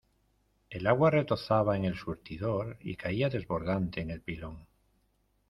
El agua retozaba en el surtidor y caía desbordante en el pilón.